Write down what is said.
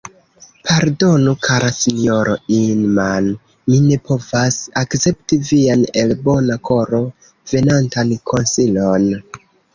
Pardonu, kara sinjoro Inman; mi ne povas akcepti vian, el bona koro venantan konsilon.